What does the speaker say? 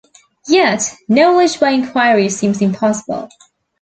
Yet, knowledge by inquiry seems impossible.